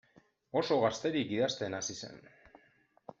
Oso gazterik idazten hasi zen.